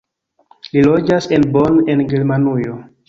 Li loĝas en Bonn en Germanujo.